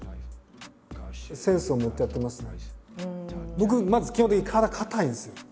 僕まず基本的に体硬いんですよ。